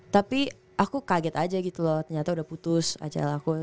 tapi aku kaget aja gitu loh ternyata udah putus acara aku